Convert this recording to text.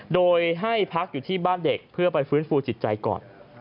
โดยให้พักอยู่ที่บ้านเด็กเพื่อไปฟื้นฟูจิตใจก่อน